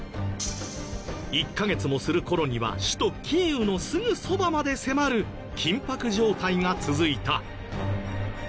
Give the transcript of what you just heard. １カ月もする頃には首都キーウのすぐそばまで迫る緊迫状態が続いた。